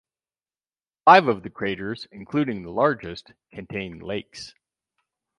Five of the craters, including the largest, contain lakes.